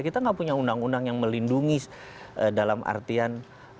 kita nggak punya undang undang yang melindungi dalam artian